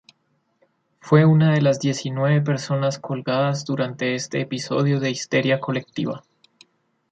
Fue una de las diecinueve personas colgadas durante este episodio de histeria colectiva.